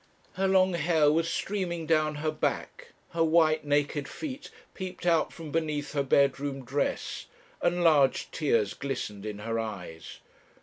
Her long hair was streaming down her back; her white, naked feet peeped out from beneath her bedroom dress, and large tears glistened in her eyes.